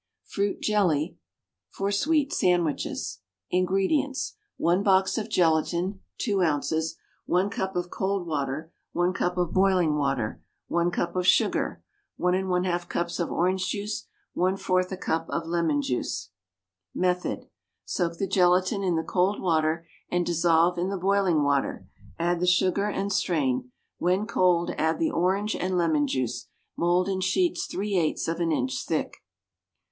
=Fruit Jelly for Sweet Sandwiches.= INGREDIENTS. 1 box of gelatine (2 ounces). 1 cup of cold water. 1 cup of boiling water. 1 cup of sugar. 1 1/2 cups of orange juice. 1/4 a cup of lemon juice. Method. Soak the gelatine in the cold water and dissolve in the boiling water; add the sugar and strain; when cold add the orange and lemon juice. Mould in sheets three eighths of an inch thick.